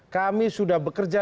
kami sudah bekerja